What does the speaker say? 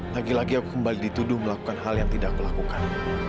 lagi lagi aku kembali dituduh melakukan hal yang tidak aku lakukan